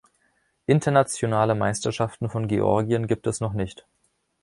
Internationale Meisterschaften von Georgien gibt es noch nicht.